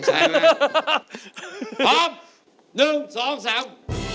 พร้อมนึงสองแสง